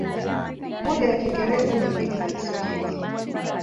Moja ya Kiingereza na mbili za Kiswahili.